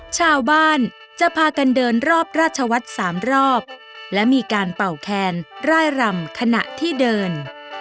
ชาวบ้านจะพากันเดินรอบราชวัฒน์๓รอบและมีการเป่าแคนร่ายรำขณะที่เดิน